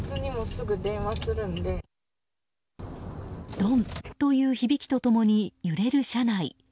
ドンッという響きと共に揺れる車内。